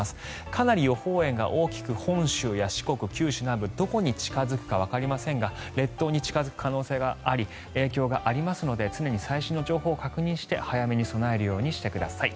かなり予報円が大きく本州や四国九州南部どこに近付くかわかりませんが列島に近付く可能性があり影響がありますので常に最新の情報を確認して早めに備えるようにしてください。